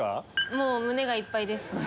もう胸がいっぱいです。